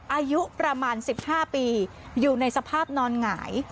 อายุประมาณ๑๕ปีอยู่ในสภาพนอนหงาย